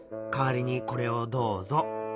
かわりにこれをどうぞ」。